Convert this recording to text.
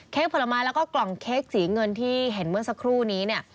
เค้กผลไม้และกล่องเค้กสีเงินที่เห็นเมื่อสักครู่นี้